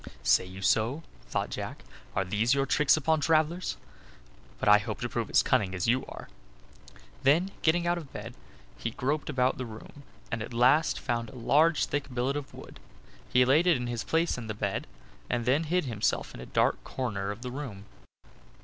"Say you so?" thought Jack. "Are these your tricks upon travelers? But I hope to prove as cunning as you are." Then, getting out of bed, he groped about the room, and at last found a large thick billet of wood. He laid it in his own place in the bed, and then hid himself in a dark corner of the room.